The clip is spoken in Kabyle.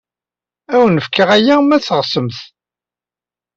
Ad awen-fkeɣ aya ma teɣsem-t.